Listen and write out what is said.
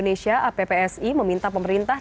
pemerintah ppsi meminta pemerintah